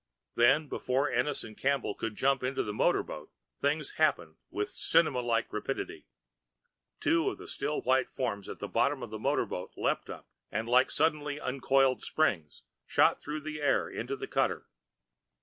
Then before Ennis and Campbell could jump into the motor boat, things happened with cinema like rapidity. Two of the still white forms at the bottom of the motor boat leaped up and like suddenly uncoiled springs shot through the air into the cutter.